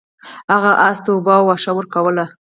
هغه اس ته اوبه او واښه ورکول.